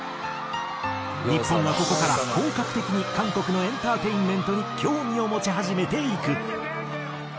日本はここから本格的に韓国のエンターテインメントに興味を持ち始めていく。